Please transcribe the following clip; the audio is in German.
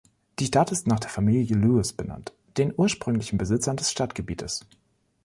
Die Stadt ist nach der Familie Lewis benannt, den ursprünglichen Besitzern des Stadtgebietes.